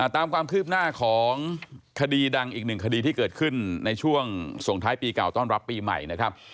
ตามความคืบหน้าของคดีดังอีกหนึ่งคดีที่เกิดขึ้นในช่วงส่งท้ายปีเก่าต้อนรับปีใหม่นะครับ